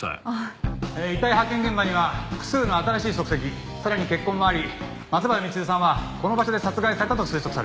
遺体発見現場には複数の新しい足跡さらに血痕があり松原みちるさんはこの場所で殺害されたと推測される。